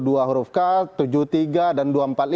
dua huruf k tujuh puluh tiga dan dua ratus empat puluh lima